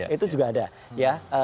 itu juga ada